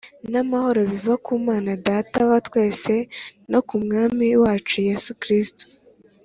n’amahoro biva ku Mana Data wa twese, no ku Mwami wacu Yesu Kristo.